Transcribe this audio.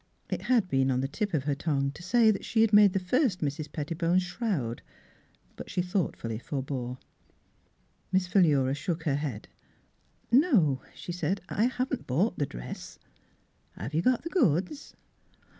It had been on the tip of her V>ngue to say that she had made the first Mrs. Pettibone's shroud; but she thoughtfully forbore. Miss Philura shook her head. " No," she said, " I haven't bought the dress." " Have you got the goods?